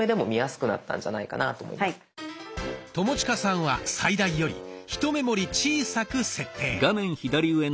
友近さんは最大よりひと目盛り小さく設定。